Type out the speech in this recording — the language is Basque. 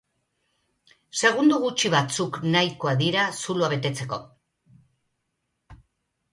Segundo gutxi batzuk nahikoa dira zuloa betetzeko.